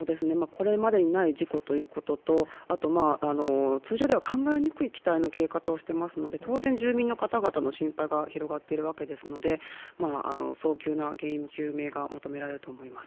これまでにない事故ということと、あと、通常では考えにくい機体の消え方をしてますので、当然、住民の方々の心配が広がっているわけですので、早急な原因の究明が求められると思います。